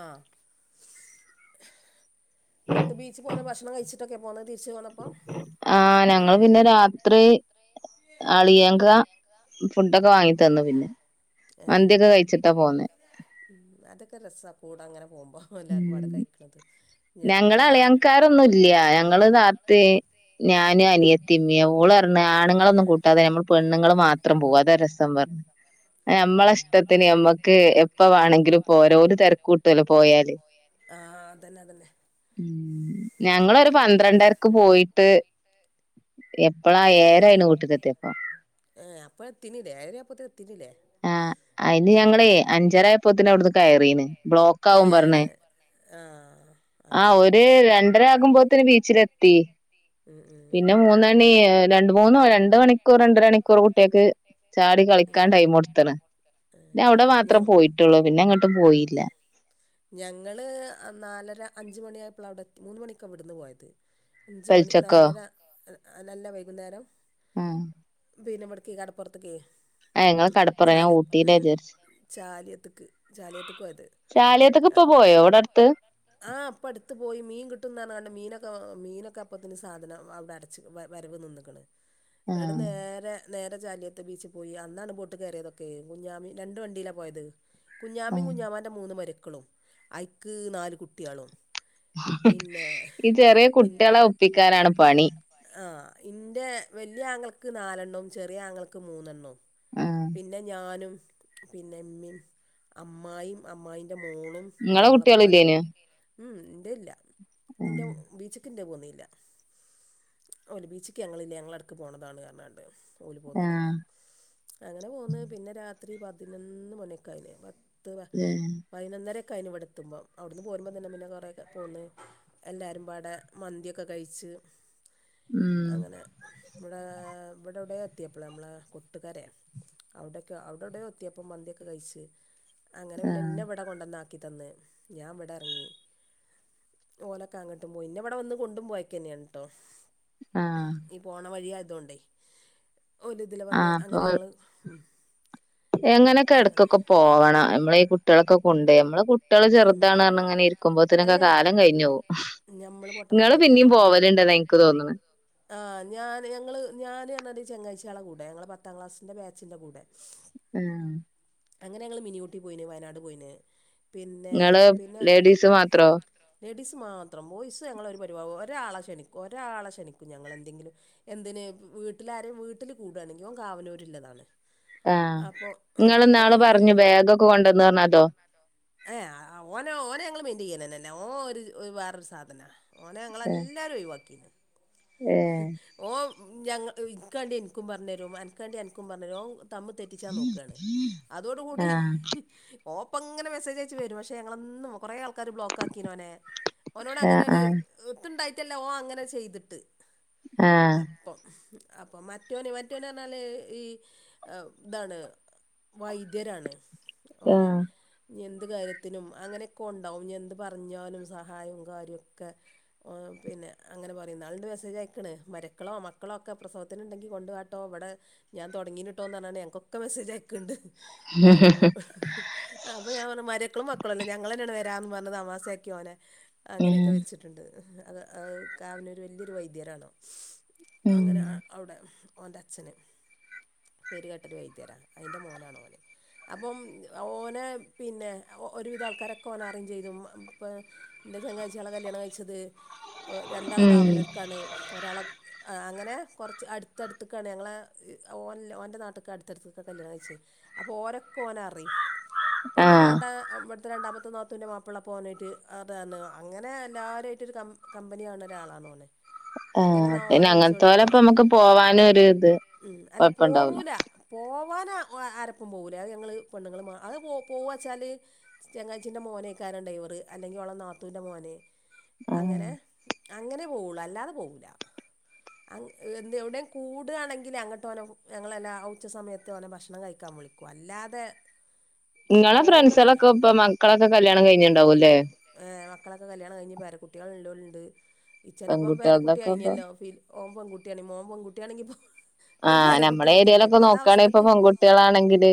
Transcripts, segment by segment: ആഹ് എന്നിട്ട് ബീച്ച് പോവുന്ന ഭക്ഷണം കയി ച്ചിട്ടൊക്കെയാ പോന്നത് തിരിച്ച് പോന്നപ്പം. ആഹ് ഞങ്ങള് പിന്നെ രാത്രി അളിയങ്ക ഫുഡൊക്കെ വാങ്ങി തന്നു പിന്നെ. ഏഹ് മന്തിയൊക്കെ കഴിച്ചിട്ടാ പോന്നെ. ഇത് ഒരു രസാ കൂട അങ്ങനെ പോകുമ്പോ എല്ലാവരും പാട് ഉം കഴിക്കണത്. ഞാൻ ഞങ്ങള് പിന്നെ ആ അളിയങ്കാരൊന്നും ഇല്ല, ഞങ്ങള് കാത്ത് ഞാന്, അനിയ [unintelligible] ഓള് പറഞ്ഞ് ആണുങ്ങളൊന്നും കൂട്ടാതെ നമ്മൾ പെണ്ണുങ്ങള് മാത്രം പോവാ അതാ രസം പറഞ്ഞു. ഏ ഞമ്മള ഉം ഇഷ്ടത്തിന് നമ്മക്ക് എപ്പ വേണമെങ്കിലും പോരാ ഓല് തെരക്ക് കൂട്ടുല്ലോ പോയാല്. ആഹ് അതന്നെ അതന്നെ. ഞങ്ങള് ഒരു പന്ത്രണ്ടരക്ക് പോയിട്ട് എപ്പഴാ ഏയരയിന് വീട്ട്ക്ക് എത്തിയപ്പോ. ഏഹ് അപ്പഴ് എത്തിന്ലേ എയരാ അയപ്പത്തന് എത്തിന്ലേ, ആഹ് അയിന് മ് ഞങ്ങളേ അഞ്ചരായപ്പോത്തിന് അവിടുന്ന് കയറീന് ബ്ലോക്ക് ആവും പറഞ്ഞ്. ആഹ് ആഹ് അങ്ങനെ ഒരു രണ്ടരാകുമ്പോത്തന് ബീച്ചിലെത്തി, ഉം ഉം പിന്നെ മൂന്നണി ഏ രണ്ട് മൂന്ന് രണ്ട് മണിക്കൂർ രണ്ടര മണിക്കൂർ കുട്ടികക്ക് ചാടി കളിക്കാൻ ടൈം കൊടുത്തണ്. പിന്ന അവിടെ മാത്രേ ഞങ്ങള് പോയിട്ടുള്ളൂ, പിന്നെ എങ്ങോട്ടും പോയില്ല. ഞങ്ങള് നാലര അഞ്ച മണിയയപ്പോള അവിടെ മൂന്ന മണിക്കാണ് വിവിടുന്ന് പോയത് അഞ്ച മണി പെൽച്ചക്കോ നാലര നല്ല വൈകുന്നേരം അ ബീനമടക്ക കട് പോറത്തക്ക കടപ്പുറ ഞാൻ ചല് ഉ ഊട്ടിയിലാ വിചാരിച്ച് ചാലിയത്തക്ക് ചാലിയത് ക്ക് പോയദ് ചാലിയത്ത്ക്ക് ഇപ്പൊ പോയോ ഇവിടെ അടുത്ത് ആ പ്പ അടു പോയി മീൻ കിട്ടും പറഞ്ഞ് കണ്ട് മീനൊെ മീനൊക്കെ അപ്പത്തന് സാധനം അവിടെ അടച്ച് വരവ് നിന്നക്കണ് ഇവിടെ ആഹ് നേരെ നേരെ ചാലിയത്ത് ബീച്ച പോയി അന്നാണ് ബോട്ട് കയറിയതൊക്കെ കുഞ്ഞാമി രണ്ട് വണ്ടിയിലാ പോയത് കുഞ്ഞാമയും ആഹ് കുഞ്ഞാമാൻ്ന്റെ മൂന്ന് മരക്കളും ഐക്ക് നാല് കുട്ടികളും പിന്നെ ഈ ചെറിയ കുട്ടികളെ ഒപ്പിക്കാനാണ് പണി ആ ഇൻ്റെ വലിയ ആങ്ങൾക്ക് നാലെണ്ണവും ചെറിയ ആങ്ങൾക്ക് മൂന്നെണ്ണവും ആഹ് പിന്നെ ഞാനും പിന്നെമ്മയും അമ്മായിമ് അമായി മോളും ഇങ്ങളെ ഞങ്ങളൊക്കെ പാട കുട്ടികളില്ലേനോ ഉ എ ഇല്ലന്റെ ബീച്ച് യെന്തത്‌ പോന്നല്ല ബീച്ചക്ക് ഞങ്ങളല്ല ഞടക്ക് പോണതാണ് പരണാണ്ട് ഓല പോകുന്നില്ല ആഹ് അങ്ങനെ പോകുന്നത് പിന്നെ രാത്രി പതിനൊന്ന് മണിയൊക്കെ അതിന് പത്തര ആഹ് പൈന്നര കെ ആയി ഇവിടെ എത്തുമ്പോം അവിടുന്ന് പോകുമ്പോൾ തന്നെ പിന്നെ കുറേക്കെ പോകുന്നു എല്ലാവരും പാടെ മന്തിക്കെ കഴിച്ച് ഉം അങ്ങനെ ഇവിടെ ഓടെ എത്തിയപ്പോള നമ്മളെ കൊട്ടുകാരെ അവിടെയൊക്കെ അവിടെവിടെ എത്തിയപ്പോം മന്തിയൊക്കെ കഴിച്ച് അങ്ങനെ പിന്നെ ആഹ് എന്നന്നെവിടെ കൊണ്ടുവന്നാക്കി തന്ന് ഞാൻ ഇവിടെ ഇറങ്ങി ഓലൊക്കെ അങ്ങോട്ടും പോയി ഇന്ന ഇവിടെ വന്ന് കൊണ്ടും പോയൊക്കെ തന്നെയാണ് ട്ടോ ആഹ് ഈ പോണ വഴിയയതുകൊണ്ടേ ഓൽ ഇതില വന്ന് ആഹ് അങ്ങനെ അപ്പൊ ഞങ്ങള് ഉ എങ്ങനെയൊക്കെ ഇടക്കൊക്കെ പോവണം നമ്മള ഈ കുട്ടികളൊക്കെ കൊണ്ട് നമ്മള് കുട്ടികള് ചെറുതാണ് പറഞ്ഞ് ഇങ്ങനെ ഇരിക്കുമ്പോത്തി നൊക്കെ അത് കാലം കഴിഞ്ഞു പോകവും നമ്മൾ നിങ്ങള് പൊട്ടന്മാരായിട്ട് പിന്നിം നമുക്കങ്ങനെ പോവലണ്ടെന്ന എനിക്ക് തോന്നണ ആ ഞാന് ഞങ്ങള് ഞൻ പറഞ്ഞാത് ചെങ്ങാഴ്ചള കൂടെ ഞങ്ങള്ൾ പത്താം ക്ലാസ്സിന്റെ ബാച്ചിന്റെറെ കൂടെ ആ അങ്ങനെ ഞങ്ങള് മിനിയൂട്ടി പോയിന് വയനാട് പോയിന് പിന്നെ നിങ്ങള് പിന്നെ ലേഡീസ് മാത്രോ ലേഡീസ് മാത്രം ബോയ്സ് ഞങ്ങളഒരു പരിഒലെ ഒരാളെ ക്ഷണിക്കും ഒരാളെ ക്ഷണിക്കും ഞങ്ങെന്തെങ്കിലും എന്തിന് വീട്ടിലാര വീട്ടിൽ കൂടയാണെങ്കൽ കവനൂരിള്ളതാണ് ആനിങ്ങ നാള് പറഞ്ഞു ബാഗൊക്കെ കൊണ്ടുന്ന് പറഞ്ഞതോ ഏ ഓനെ ഓന ഞങ്ങൾ മെയിന്റ ചെയ്യാനന്നന്നെ ല്ല ഓന് വേറൊരു സാധനാ ഓനെ ഞങ്ങളെല്ലാവരും ഒഴിവാക്കി ഏഹ് ഓ ഞങ്ങ ഇനക്കാണ്ടി എനിക്കും പറഞ്ഞഞ് തരും അനാണ്ടി എനിക്കും പറഞ്ഞു തരുംഒന് തമ്മിൽ തെറ്റിച്ചാ നോക്കാണ് അതോ കൂടി ആഹ് ഓപ്പങ്ങനെ മെസ്സേ ച്ച് അയച് വരും പക്ഷെ ഞങ്ങളന്നും കൊറെ ആൾക്കാര് ബ്ലോക്കക്കിന് ഓനെ ഓനോട് അങ്ങനെരു ആഹ് ഏത്തുണ്ടയി റ്റല്ല ഒന്അങ്ങനെ ചെയ്തിട്ട് ആ അപ്പൊ മറ്റവന് മറ്റോന പറഞ്ഞാല് ഈ ഇതാണ് വൈദ്യരാണ് അവനെ ആഹ് എന്ത് കാര്യത്തിനും അങ്ങനെയൊക്കെ ഉണ്ടാവും എന്ത് പറഞ്ഞാലും സഹായവും കാര്യമൊക്കെ പിന്നെ അങ്ങനെ പറയും നാളുണ്ട് മെസ്സേജ് അയക്കണ് മരക്കളോ മക്കളോ ഒക്കെ പ്രസവത്തിനുണ്ടെങ്കിൽ കൊണ്ടു വാട്ടോ ഇവിടെ ഞാൻ തുടങ്ങീനുട്ടോന്ന് പറഞ്ഞണ്ട് ഞങ്ങകേക്കെ മെസ്സേജ് ആയിക്ണ്ട് അ മരക്കളും മക്കളുംല്ലേ ഞങ്ങന്നെ വരാന്ന് പറഞ്ഞ് തമാസയാക്കി ഓവനെ അങ്ങനെയൊക്കെ ഉം വെച്ചിട്ടുണ്ട് അത് അത് കാവനൂർ വലിയൊരു വൈദ്യരാണോ ഉം അങ്ങനെ അവിടെ ഓന്റെ ച്ഛന് പേരുകെട്ടരു വൈദ്യരാ അതിന്റെ മോനാണ് ഒന് അപ്പം ഓനെ പിന്നെ ഒരുവിധ ആൾക്കാരൊക്കെ ഓനെ അരിമ് ചെയ്തു ഇപ്പ എന്റെ ചങ്ങാഴ്ചകള കല്യാണം കഴിച്ചത് ഒ രണ്ടാൾ ഉം കാവനൊരുക്കാണ് ഒരാള ആ അങ്ങനെ കോർച്ച് അട്ത്തട്ത്ത്ക്കാണ് ഞങ്ങളെ ഓൻ ഓൻ്റെ നാട്ട്ക്ക് അട്ത്തടുത്ത്ക്കാ കല്യാണം കഴിച്ചേ അപ്പോ ഓരോ പ്പോ നറിം ഇപ്പോ ഒന്നും ആഹ് വാണ്ട ഇവട്ത്തെ രണ്ടാമത്തൊ നാത്തൂൻ്റെ മാപ്പള പോനയ്ട്ട് ഇതാന്ന് അങ്ങനെ എല്ലാരും ആയിട്ട് ഒരു ക കമ്പനി ആണോരാളാണ് ഓന് അങ്ങനെ ആഹ് ഓനെ പിന്നെ വിളിച്ചോളി ഓനെ അങ്ങൻത്തെലൊപ്പം നമ്മക്ക് വിളിച്ച് പോവാനും ഒരു ഇത് ഉം അല്ല കൊഴപ്പുണ്ടാവൂല പോവൂല പോവാന് ആരപ്പും പോകൂല അത് ഞങ്ങള് പെണ്ണ്ങ്ങള് മാ അത് പോ പോവാച്ചാല് ചങ്ങാച്ചീൻ്റെ മോനേക്കാരം ഡ്രൈവറ് അല്ലെങ്കി ഓളെ നാത്തൂൻ്റെ മോന് ആഹ് അങ്ങനെ അങ്ങനെ പോവോള്ളു അല്ലാതെ പോവൂല അങ്ങ് എന്തേം എവിടെം കൂടുണെങ്കി അങ്ങട്ട് ഓനെ ഞങ്ങളെല്ല ഉച്ച സമയത്ത് ഓനെ ഭക്ഷണം കഴിക്കാൻ വിളിക്കും അല്ലാതെ പോ- ഇങ്ങളെ പോകൽ ഫ്രണ്ട്സാളൊക്കെ ഇപ്പം മക്കളൊക്കെ കല്യാണം കഴിഞ്ണ്ടാവുംല്ലേ ഹേ മക്കളൊക്കെ കല്യാണം കഴിഞ് പേര കുട്ട്യാള് ഇ ണ്ട് ഇച്ചനെപ്പം പേര കുട്ടി പെൺകുട്ടികൾതൊക്കെ ഇപ്പൊ ആയിനല്ലോ ഫി ഓം പെൺകുട്ടി ആണെങ്കി മോൻ പെൺകുട്ടി ആണെങ്കി ഇപ്പം ഒരു ആഹ് പേര കുട്ടി നമ്മളെ അല്ല ഏരിയയിലൊക്കെ ഇപ്പത്തെ നോക്കാണെ ഇപ്പൊ അവസ്ഥക്ക് പെൺകുട്ടികളാണെങ്കില്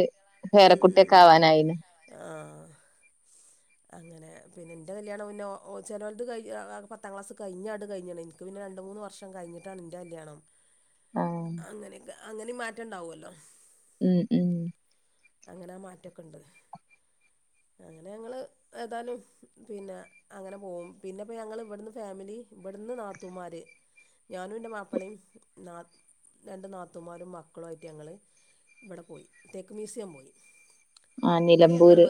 ഉം പേരക്കുട്ടിയൊക്കെ ഉം ആവാനായിന് ആഹ് അങ്ങനെ പിന്നെ ഇന്റെ കല്യാണം മുന്നെ ഓ ചെലൊൽത് കയാ പത്താം ക്ലാസ് കഴിഞട് കഴ്ഞ്ണ് ഇൻക്ക് പിന്നെ രണ്ട് മൂന്ന് മൂന്ന് വർഷം കഴിഞ്ഞിട്ടാണ് ഇന്റെ കല്യാണം ആഹ് അങ്ങനെക്കെ അങ്ങനിം മാറ്റണ്ടാവോല്ലോ ഉം ഉം അങ്ങനെ മാറ്റക്ക്ണ്ട് അങ്ങനെ ഞങ്ങള് ഏതാലും പിന്നെ അങ്ങനെ പോവും പിന്നെപ്പ ഞങ്ങള് ഇവട്ന്ന് ഫേമിലി ബട് ന്ന് നാത്തൂമാര്, ഞാനും ഇന്റെ മാപ്പളീം, നാ ഇന്റെ രണ്ട് നാത്തമാരും മക്കളുയിട്ട് ഞങ്ങള് ഇവടെ പോയി തേക്ക് മ്യൂസിയം പോയി ആഹ് നിലമ്പൂര്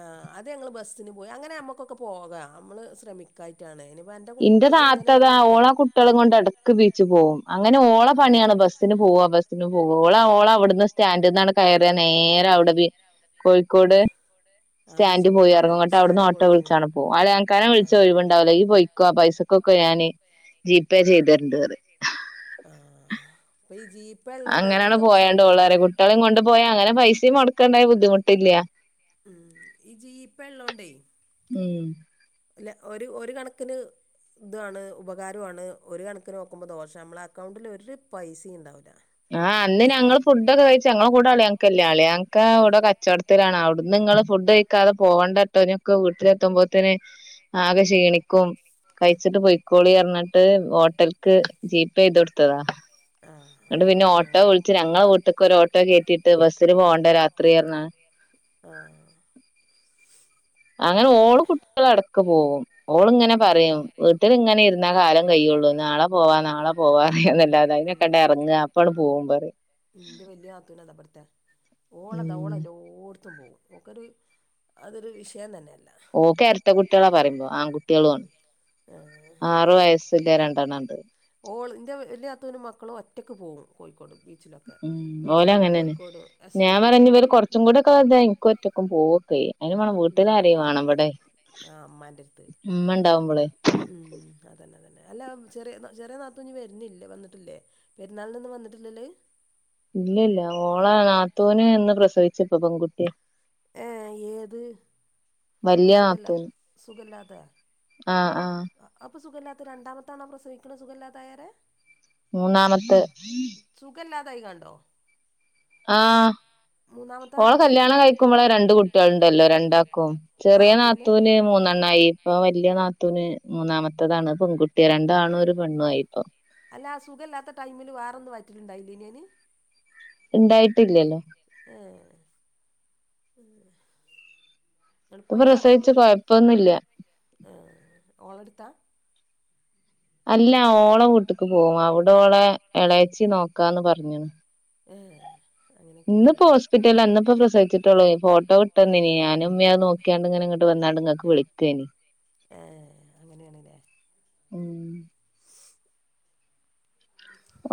ആഹ് അത് ഞങ്ങള് ബസ്സിന് പോയി അങ്ങനെ നമ്മക്കൊക്കെ പോകാ അമ്മള് ശ്രമിക്കായ്ട്ടാണ് ഇന്റെ താത്തതാ ഓള കുട്ട്യാളീം കൊണ്ട് എടക്ക് ബീച്ച് പോവും അ ങ്ങനെ ഓളെ പണ്യാണ് ബസ്സിന് പോവാ ബസ്സിനും ഓള ഓള വ്ട്ന്ന് സ്റ്റാൻഡ്ന്നാണ് കയ്റ്യാ നേര വ്ടെ ബി കോഴിക്കോട് ആ സ്റ്റാൻഡ് ബീച്ച് പോ പോയി അവിടെ എർങ്ങും ങ്ങട്ട് അവ്ട്ന്ന് സ്റ്റാൻഡ് ഓട്ടോ പോയി ഇറങ്ങും വിൾച്ചാണ് പോവും അളിയാൻക്കാനെ വിൾച്ച ഒഴ്‌വ്ണ്ടാവൂല ഇയ്യ് പോയ് ക്കൊ പൈസക്കൊക്കെ ഞാന് ജീപേ ചെയ്തെരെണ്ട് റിം. ആഹ് ഇപ്പൊ ഈ ജീപ്പേ ഉള്ളോണ്ട് ഒരു അങ്ങനാണ് വിധൊക്കെ പോയാണ്ട് സൗകര്യാണ് ഓളറ്യാ കുട്ട്യളിം കൊണ്ട് പോയാ അങ്ങനെ പൈസിം മൊട്ക്കൻണ്ടായ ബുദ്ധിമുട്ടില്ല. ഉം ഈ ജിപെ ഇള്ളോണ്ടേ ഉം. അല്ല ഒര് ഒര് കണക്കിന് ഇത്വാണ് ഉപകാര്വാണ് ഒരു കണക്കിനോക്കുമ്പോ ദോഷ അമ്മളെക്കൗണ്ടില് ഒര് പൈസി ണ്ടാവൂല്ല. ആഹ് അന്ന് ഞങ്ങള് ഫുഡൊക്കെ കഴിച്ച് ഞങ്ങളെ കൂടെ അളിയാൻകല്ല അളിയാൻക്ക യൗടൊ കച്ചോടത്തിലാണ് [unintelligible] ട്ന്ന്ങ്ങള് ഫുഡ് കയിക്കാതെ പോവണ്ടട്ടോ ഞൊക്കെ വീട്ടിലെത്തുമ്പോത്തിന് ആകെ ക്ഷീണിക്കും. കയ്ച്ച്ട്ട് പൊയ്ക്കോള്യർഞ്ഞിട്ട് ഹോ ട്ടൽക്ക് ജീപെയ്തൊട്ത്തതാ ആഹ് ന്നട്ട് പിന്നെ ഓട്ടോ അങ്ങനെ വിൾച്ച് ഞങ്ങളെ വീട്ട്ക്കൊരോ ട്ടോ കേറ്റിട്ട് ബസ്സില് പോണ്ട രാത്രിയർഞ്ഞ ആഹ് അങ്ങനെ ഓളു കുട്ട്യളെടക്ക് പോവും. ഓള്ങ്ങനെ പറിം വീട്ടില്ങ്ങനിര്ന്ന കാലം കയൊള്ളൂ നാളെ പോവാ നാളെ പോവാ റ്യനല്ലാ ധൈന്യകണ്ടെർങ്ങാ അപ്പാണ് പോവും പറിം ഇന്റെ വെല്ല്യെ അദ്‌നാ ഓളതാ ഉം ഓളെല്ലോട്ത്തും പോവും ഒക്കൊര് അതൊരു വിഷയം തന്നെല്ലേ. ഓക്കെര്ട്ടകുട്ട്യളാ പറിമ്പം ഉം ആൺകുട്ട്യേളാണ് ആറ് വയസ്. ഇല്ലെ രണ്ടെണണ്ട്. ഓള് ഇന്റെ വെല്ല്യ നാത്തൂൻ്റെ മക്കളും ഒറ്റക്ക് പോവും കോഴിക്കോട്. ബീച്ചിലൊക്കെ ബീച്ചിലും കോഴിക്കോടും. ഞാം പറ്യാ ഞ് വര് കൊർച്ചും കൂടെക്കെ വെൽതായ ഇൻക്കൊറ്റക്കും പോവൊക്കെയ്യ. അതിന് വേണം ഉം വീട്ടിലാരേം വേണം ഇവടെ ആ അമ്മാൻ്റെ അടുത്ത് ഉമ്മ ഉണ്ടാവുമ്പോളേ ഉം അതല്ലേ അതേല്ലേ? അല്ല ചെറ്യ ചെറ്യ നാത്തും ഇഞ്ഞി വരുന്ന്ല്യേ വന്നിട്ടില്ലേ പെരുന്നാളിന്നും വന്നിട്ടില്ലേല് ഇല്ലല്ല ഓള നാത്തൂന് ന്ന് പ്രസവിച്പ്പ പെങ്കുട്ടിയ. ഏ ഏത് അ വല്യ സുഖല്ല നാത്തൂന് സുഖല്ലാതെ ആഹ് ആഹ് പ്പൊ സുഖല്ലാത്ത രണ്ടാമത്താണോ പ്രസവിക്കിണ് സുഖല്ലാത്തായരെ? മൂന്നാമത്ത് [inaudible] യി കാണ്ടോ ആഹ് ഓളെ പ്രസവിച്ചേ കല്യാണം കഴിക്കുമ്പോളെ രണ്ട് കുട്ടികളുണ്ടല്ലോ രണ്ടാക്കും ചെറിയ ആഹ് പിന്നെ നാത്തൂന് മൂന്നെണ്ണായി ഇപ്പൊ വല്ല്യ നാ നാത്തൂന് മൂന്നാമത്തതാണ് പെങ്കുട്ട്യ രണ്ടാണ് ഒരു പെണ്ണുവായി പ്പൊ. അല്ല ആ സുഖവില്ലാത്ത ടൈമില് വേറൊന്നും വയറ്റിലുണ്ടായില്ലയ്നൊ അയ്ന് ഉണ്ടായിട്ടില്ലല്ലോ ഏഹ് ള്പ്പയ്ന് പ്രസവിച്ച് കൊഴപ്പൊന്നുല്ല [unintelligible] കൊഴപ്പൊന്നുല്ല കൊയ്പ്പൊന്നുല്ലാ ആ.. ഓളട്ത്താ. അല്ല ഓളെ വീട്ടിക്ക് പോകും അവിടെ ഓളെ ഇളയച്ചി നോക്കാന്ന് പറഞ്ഞണ് ഏ... ഇന്നിപ്പോ ഹോസ്പിറ്റല ഇന്നപ്പോ പ്രസിച്ചട്ടുള്ളോ ഫോട്ടോ വിട്ടന്നിനി ഞാനുമ്മിം അത് നേക്ക്യാണ്ട് ഇങ്ങോട്ട് വന്നു ന്നാണ്ട് ങ്ങക്ക് വിളിക്കേനി ഏ അങ്ങനെയണല്ലേ ഉം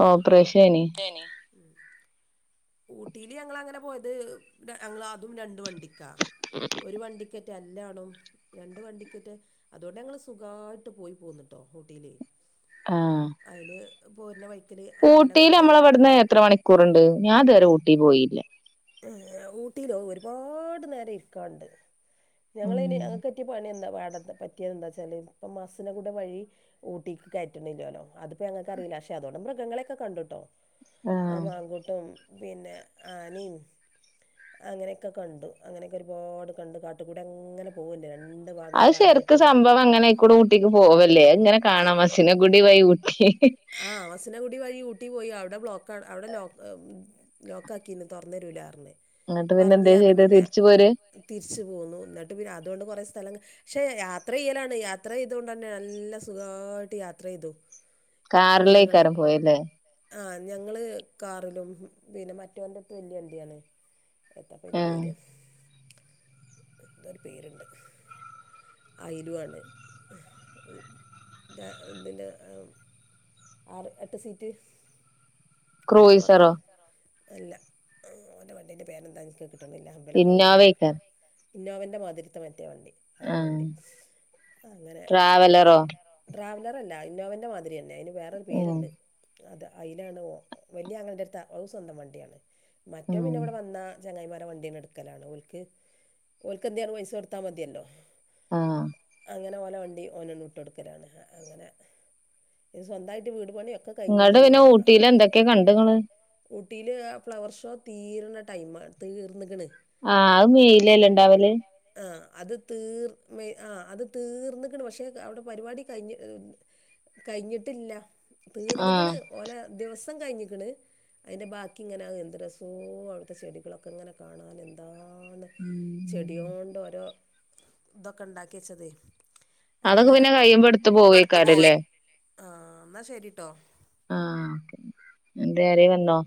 ഓപ്പറേഷൈനി ഊട്ടിൽ ഞങ്ങളങ്ങനെ പോയത് ഞങ്ങള് അതും രണ്ട് വണ്ടിക്കാ ഒരു വണ്ടി അല്ലാനും രണ്ട് വണ്ടിക്ക് റ്റെ അതുകൊണ്ട് ഞങ്ങള് സുഖായിട്ട് പോയി പോന്നിട്ടോ ഊട്ടിയില് [unintelligible] ആഹ് പോര്ണ വയ് ഊട്ടിയില് നമ്മള് ഇവിടുന്ന് എത്ര മണിക്കൂറുണ്ട് ഞാൻ ഇതുവരെ ഊട്ടി പോയില്ല ഊട്ടയിലോ ഒരുപാട് നേരം ഇരിക്കാണ്ട് ഉം ഞങ്ങളയ്ന് ഞങ്ങക്ക് പറ്റ്യ പണി എന്താ വാടത്തെ പറ്റിയതെന്തയ്ച്ചാല് ഇപ്പ മസ്സിനെഗുഡ വഴി ഊട്ടിക്ക് കയറ്റണില്ലോലോ അതിപ്പോ ഞങ്ങക്ക് അറിയി പക്ഷെ അതോടെ മൃഗങ്ങളെയൊക്കെ കണ്ടുട്ടോ ആഹ് ആ മാങ്കുട്ടും പിന്നെ ആനയും അങ്ങനെയൊക്കെ കണ്ടു അങ്ങനെയൊക്കെ ഒരുപാട് കണ്ട് കാട്ടുകൂടി അങ്ങനെ പോകല്ലെ അത് ശരിക്ക് സംഭവം അങ്ങനെ അയ്ക്കൂടെ ഊട്ടിക്ക് പോവല്ലേ ഇങ്ങനെ കാണാം മസിനകുടി വഴി ഊട്ടി ആ മസുനകുടി വഴി ഊ ട്ടി പോയി അവിടെ ബ്ലോക്ക് അവിടെ ലോക്ക് ലോക്ക് ആക്കിന്ന് തുറന്നരുല്ലാ പറഞ്ഞ് എന്നിട്ട് പിന്നെ പറഞ്ഞ് എന്തേ റഞ്ഞ് ചെയ്ത് പിന്നെ തിരിച്ചു പോര് തിരിച്ചു പോന്നു എന്നിട്ട് പിന്നെ അതുകൊണ്ട് കൊറെ സ്ഥലം പക്ഷെ യാത്ര ചെയ്യലാണ് യാത്ര ചെയ്ത് കൊണ്ട് തന്നെ നല്ല സുഖായിട്ട് യാത്ര ചെയ്തു കാർലേക്കാരം പോയല്ലേ? ആ ഞങ്ങള് കാറിലും പിന്നെ മറ്റവന്റെടുത്ത് വല്യ വണ്ടിയാണ് എത്തപ്പയ്ന്റെ ആഹ് പേര് എന്തരു പേരുണ്ട്. ആയിരുവാണ് [inaudible] എതിന്റെ ആറ് എട്ട് സീറ്റ് എട്ടും ക്രൂയിസറോ പത്തൊക്കെ അല്ല ആ ഓന്റെ വണ്ടിന്റെ പേരെന്താ ഇൻക്ക് കിട്ടണില്ല വലൊക്കെ ങ്ങനെ ഇന്നോവയ്ക്കാരം ഇന്നോവന്റെ മാതിരത്തെ മറ്റേ വണ്ടി വേറൊരു ആഹ് വണ്ടി അങ്ങനെ ട്രാവലറോ ട്രാവലറോ ട്രാവലറല്ല ഇന്നോവൻ്റെ മാതിരി തന്നെ അതിന് വേറൊരു ഉം പേരുണ്ട് അത് അതിലാണ് വല്ല്യ ആങ്ങളൻ്റെ ര്ത്ത അത് സ്വന്തം വണ്ടിയാണ് മറ്റോ പിന്നെ ഉം ഇവിടെ വന്ന ചങ്ങായിമാരെ വണ്ടീന്നെ എടുക്കലാണ് ഓൽക്ക് ഓൽക്ക് എന്തേ പൈസ കൊട്ത്താ മതിയല്ലോ ആഹ്. അങ്ങനെ ഓല വണ്ടി ഓനന്നു ട്ടൊട്ത്തതാണ് അങ്ങനെ സ്വന്തായിട്ട് വീടുപണി ങ്ങട്ട് പിന്നെ ഊട്ടിൽ എന്തൊക്കെയാ കണ്ടുങ്ങള് ഊട്ടിയിൽ ആ ഫ്ലവർ ഷോ തീര്ണ ടൈമാണ് തീർന്നക്കണ് ആഹ് അത് ചെയ്ലല്ല ഇണ്ടാവല് വെ ആ അത് തീർന്നക്കണ് പക്ഷെ അവിടെ പരിപാടി കഴിഞ്ഞ് ഉം കഴിഞ്ഞിട്ടില്ല ആഹ് തീർന്നിക്കണ് ഓലെ ദിവസ് [unintelligible] കയ്ഞ്ഞിക്ക്ണ് അയ്ന്റെ ബാക്കിങ്ങനെ എന്ത് രസോ അവിടുത്തെ ചെടികളൊക്കെ ഇങ്ങനെ കാണാൻ എന്താ എന്താണ്? ചെടികളോണ്ട് ഓരോതൊക്കെണ്ടാക്കി വെച്ചതേ അതൊക്കെ നമ്മളെ പിന്നെ കയ്യുമ്പോടുത്ത് പോവേക്കാരല്ലേ? ആ ന്നാ ശരിട്ടോ ആ എന്ത ആരെ വന്നോ?